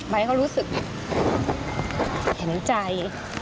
ไบร์ทเขารู้สึกเห็นใจ